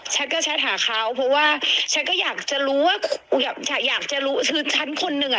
ฉันก็แชทหาเขาเพราะว่าฉันก็อยากจะรู้ว่าอยากจะรู้คือฉันคนหนึ่งอ่ะ